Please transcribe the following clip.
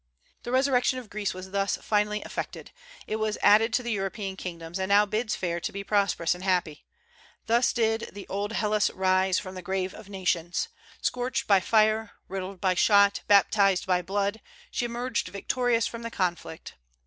The resurrection of Greece was thus finally effected. It was added to the European kingdoms, and now bids fair to be prosperous and happy. "Thus did the Old Hellas rise from the grave of nations. Scorched by fire, riddled by shot, baptized by blood, she emerged victorious from the conflict.